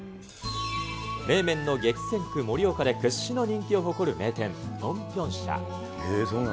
冷麺の激戦区、盛岡で屈指の人気を誇る名店、ぴょんぴょん舎。